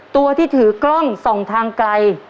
ตัวที่ถือกล้องส่องทางไกล